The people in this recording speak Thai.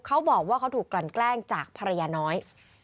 เขาบอกว่าเขาถูกกลั่นแกล้งจากภรรยาน้อย